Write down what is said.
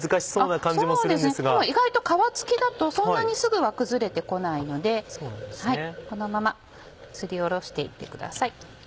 でも意外と皮付きだとそんなにすぐは崩れて来ないのでこのまますりおろして行ってください。